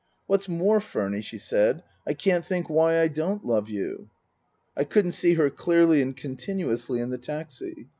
" What's more, Furny," she said, " I can't think why I don't love you." I couldn't $ee her clearly and continuously in the taxi.